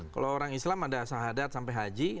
kalau orang islam ada sahadat sampai haji